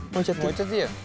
置いちゃっていいよ。